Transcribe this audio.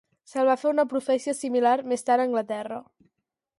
S'el va fer una profecia similar més tard a Anglaterra.